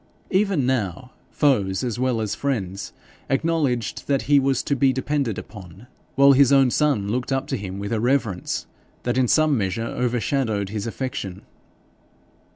Even now, foes as well as friends acknowledged that he was to be depended upon; while his own son looked up to him with a reverence that in some measure overshadowed his affection.